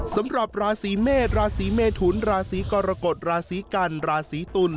สำหรับราศีเมษราศีเมทุนราศีกรกฎราศีกันราศีตุล